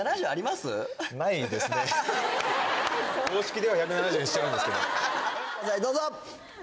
公式では１７０にしちゃうんですけど。